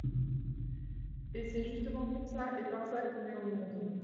Et c'est justement pour ça et par ça qu'on est au monde.